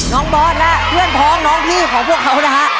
บอสและเพื่อนพ้องน้องพี่ของพวกเขานะฮะ